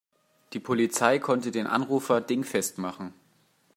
Die Polizei konnte den Anrufer dingfest machen.